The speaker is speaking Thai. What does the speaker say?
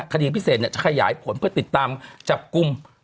คดีพิเศษจะขยายผลเพื่อติดตามจับกลุ่ม